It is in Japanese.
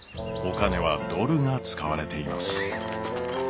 お金はドルが使われています。